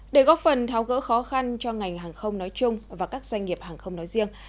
để góp phần tháo gỡ khó khăn cho ngành hàng không nói chung và các doanh nghiệp hàng không nói riêng